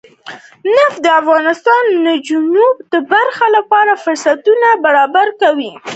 نفت د افغان نجونو د پرمختګ لپاره فرصتونه برابروي.